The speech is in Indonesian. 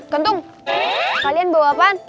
kentung kalian bawa apaan